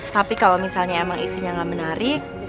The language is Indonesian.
tapi kalau misalnya emang isinya nggak menarik